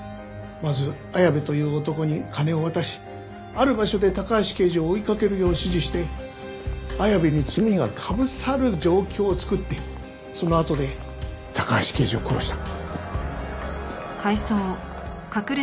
まず綾部という男に金を渡しある場所で高橋刑事を追いかけるよう指示して綾部に罪がかぶさる状況を作ってそのあとで高橋刑事を殺した。